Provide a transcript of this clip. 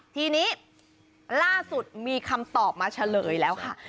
ทีนี้ล่าสุดมีคำตอบมาเฉลยแล้วค่ะ